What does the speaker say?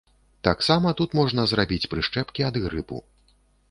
Таксама тут можна зрабіць прышчэпкі ад грыпу.